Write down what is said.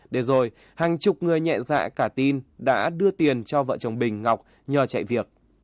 để rồi hàng chục người nhẹ dạ cả tin đã đưa tiền cho vợ chồng bình ngọc nhờ chạy việc